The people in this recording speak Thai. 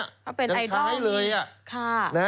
เกิดใช้เลยอ่ะ